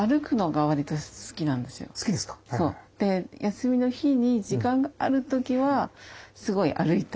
休みの日に時間がある時はすごい歩いたりとか。